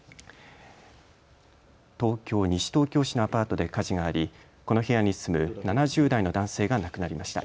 東京西東京市のアパートで火事があり、この部屋に住む７０代の男性が亡くなりました。